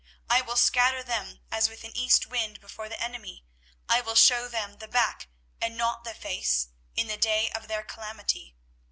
24:018:017 I will scatter them as with an east wind before the enemy; I will shew them the back, and not the face, in the day of their calamity.